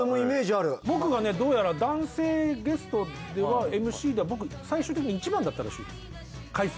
僕がねどうやら男性ゲストではＭＣが僕最終的に１番だったらしいです。